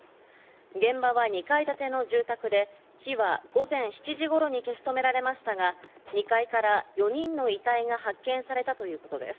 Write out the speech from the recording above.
現場は２階建ての住宅で、火は午前７時頃に消し止められましたが、２階から４人の遺体が発見されたということです。